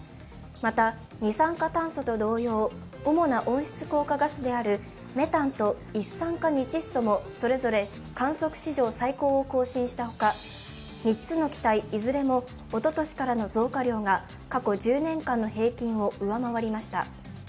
また、二酸化炭素と同様、主な温室効果ガスであるメタンと一酸化二窒素もそれぞれ観測史上最高を更新したほか３つの気体いずれもおととしからの増加量が過去１０年間の平均を上回りました。